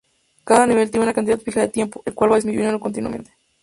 Cada nivel tiene una cantidad fija de tiempo, el cual va disminuyendo continuamente.